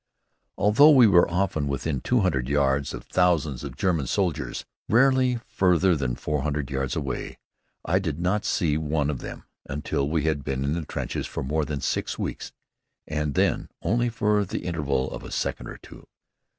Although we were often within two hundred yards of thousands of German soldiers, rarely farther than four hundred yards away, I did not see one of them until we had been in the trenches for more than six weeks, and then only for the interval of a second or two.